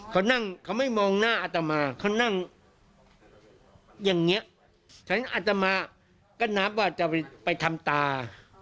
เขานั่งเขาไม่มองหน้าอัตมาเขานั่งอย่างเงี้ยฉะนั้นอัตมาก็นับว่าจะไปทำตา